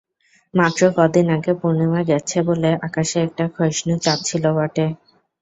মাত্র কদিন আগে পূর্ণিমা গেছে বলে আকাশে একটা ক্ষয়িষ্ণু চাঁদ ছিল বটে।